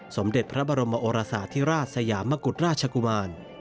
สมเด็จพระบรมโอราศาสตร์ที่ราชสยามกุฎราชกุมาร